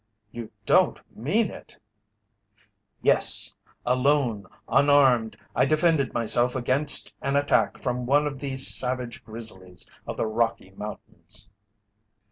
"You don't mean it!" "Yes. Alone, unarmed, I defended myself against an attack from one of the savage grizzlies of the Rocky Mountains."